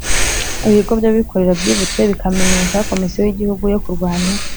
Ibigo by abikorera byibutse bikamenyesha Komisiyo y Igihugu yo Kurwanya